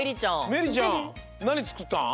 めりちゃんなにつくったん？